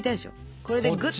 これでグッと。